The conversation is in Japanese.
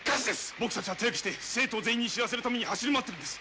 僕たちは手分けして生徒全員に知らせるため走り回ってるんです